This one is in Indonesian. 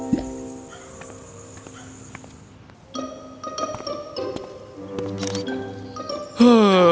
sehingga aku tidak perlu bekerja lagi